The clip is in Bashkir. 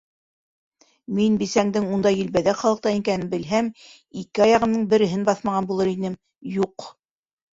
Мин бисәңдең ундай елбәҙәк халыҡтан икәнен белһәм, ике аяғымдың береһен баҫмаған булыр инем, юҡ.